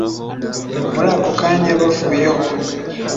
Muri ako kanya bavuyeho